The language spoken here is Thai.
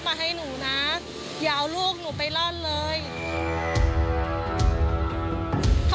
ควิทยาลัยเชียร์สวัสดีครับ